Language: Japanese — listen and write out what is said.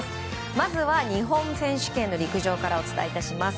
まずは日本選手権の陸上からお伝えします。